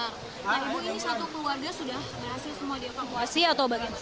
nah ibu ini satu keluarga sudah berhasil semua dievakuasi atau bagaimana